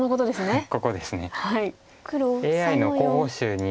はい。